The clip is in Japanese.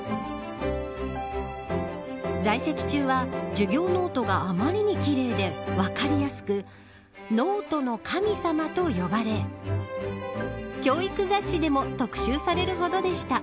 在籍中は授業ノートがあまりに奇麗で分かりやすくノートの神様と呼ばれ教育雑誌でも特集されるほどでした。